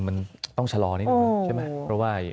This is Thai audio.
มันต้องชะลอนิดหนึ่งนะเพราะว่า